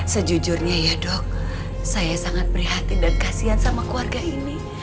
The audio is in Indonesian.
sejujurnya ya dok saya sangat prihatin dan kasian sama keluarga ini